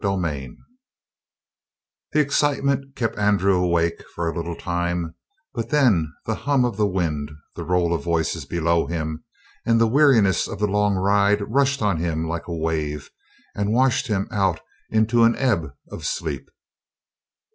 CHAPTER 15 The excitement kept Andrew awake for a little time, but then the hum of the wind, the roll of voices below him, and the weariness of the long ride rushed on him like a wave and washed him out into an ebb of sleep.